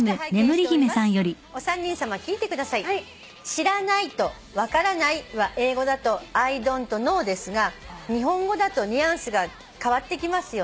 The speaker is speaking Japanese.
「『知らない』と『分からない』は英語だと『Ｉｄｏｎ’ｔｋｎｏｗ』ですが日本語だとニュアンスが変わってきますよね」